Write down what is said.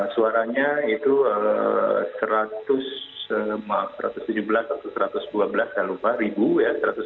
suaranya itu maaf satu ratus tujuh belas atau satu ratus dua belas saya lupa ribu ya